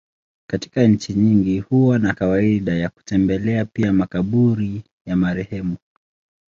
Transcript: Katika nchi nyingi huwa na kawaida ya kutembelea pia makaburi ya marehemu.